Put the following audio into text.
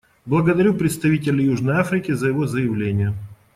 Благодарю представителя Южной Африки за его заявление.